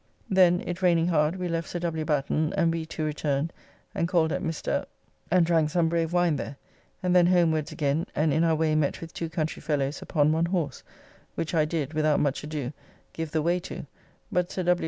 Then, it raining hard, we left Sir W. Batten, and we two returned and called at Mr. and drank some brave wine there, and then homewards again and in our way met with two country fellows upon one horse, which I did, without much ado, give the way to, but Sir W.